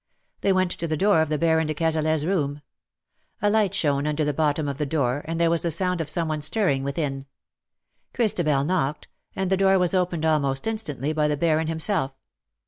They went to the door of Baron de Cazalet's room. A light shone under the bottom of the door, and there was the sound of some one stirring within. Christabel knocked, and the door was opened almost instantly by the Baron himself.